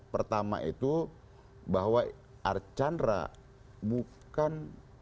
pertama itu bahwa archandra bukan